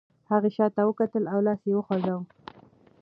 هغې شاته وکتل او لاس یې وخوځاوه.